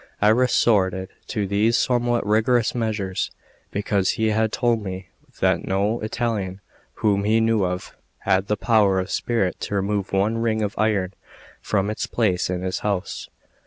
I resorted to these somewhat rigorous measures because he had told me that no Italian whom he knew of had the power of spirit to remove one ring of iron from its place in his house.